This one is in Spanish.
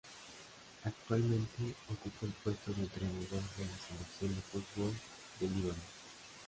Actualmente ocupa el puesto de entrenador de la selección de fútbol del Líbano.